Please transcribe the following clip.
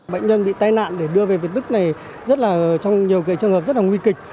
bệnh nhân bị tai nạn để đưa về việt đức này trong nhiều trường hợp rất nguy kịch